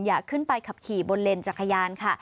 อย่าขึ้นไปขับขี่บนเลนจักรยานค่ะ